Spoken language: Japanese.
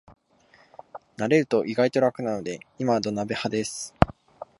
慣れると意外と楽なので今は土鍋派です